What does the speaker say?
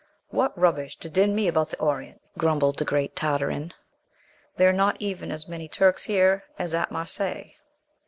"What rubbish, to din me about the Orient!" grumbled the great Tartarin; "there are not even as many Turks here as at Marseilles."